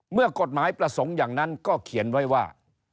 เมื่อกฎหมายประสงค์อย่างนั้นก็เขียนไว้ว่า